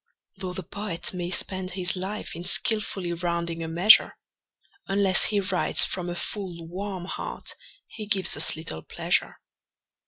Though the poet may spend his life in skilfully rounding a measure, Unless he writes from a full, warm heart he gives us little pleasure.